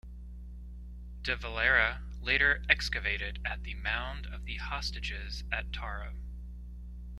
De Valera later excavated at the Mound of the Hostages at Tara.